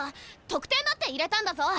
得点だって入れたんだぞ！